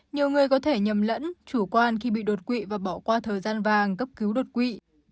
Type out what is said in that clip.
nhiều người có thể nhầm lẫn chủ quan khi bị đột quỵ và bỏ qua thời gian vàng cấp cứu đột quỵ